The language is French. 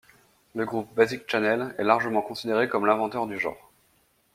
Le groupe Basic Channel est largement considéré comme l'inventeur du genre.